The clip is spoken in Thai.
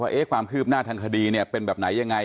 ความคืบหน้าทางคดีเนี่ยเป็นแบบไหนยังไง